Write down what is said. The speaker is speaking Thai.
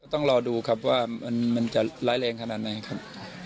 ต้องรอดูครับว่ามันจะร้ายแรงขนาดไหนครับ